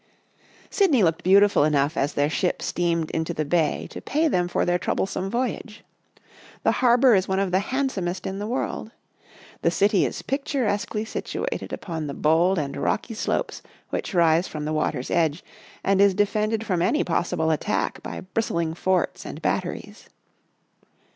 Sydney looked beautiful enough as their ship steamed into the bay to pay them for their troublesome voyage. The harbour is one of the handsomest in the world. The city is pic Sailing to Sydney 15 turesquely situated upon the bold and rocky slopes which rise from the water's edge and is defended from any possible attack by bristling forts and batteries.